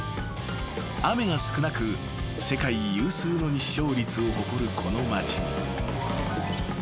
［雨が少なく世界有数の日照率を誇るこの町に］